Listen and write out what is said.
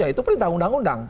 itu perintah undang undang